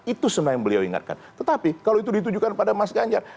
itu sebenarnya yang beliau ingatkan tetapi kalau itu ditujukan pada mas ganjar